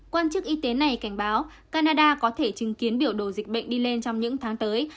quan chức y tế này cảnh báo canada có thể chứng kiến biểu đồ dịch bệnh đi lên trong những tháng tới